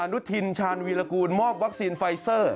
อาณุธินทร์ชาญวีรกูลมอบวัคซีนไฟซอร์